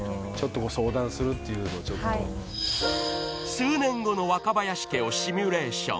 ［数年後の若林家をシミュレーション］